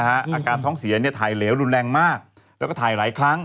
อาการท้องเสียถ่ายเหลวรุนแรงมากแล้วก็ถ่ายหลายครั้ง